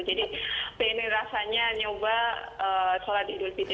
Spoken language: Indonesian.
jadi pengen rasanya nyoba sholat idul fitri